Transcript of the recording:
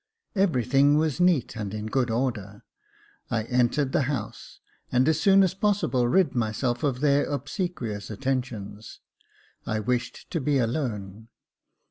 Everything was neat, and in good order. I entered the house, and as soon as possible rid myself of their obsequious attentions. I wished to be alone.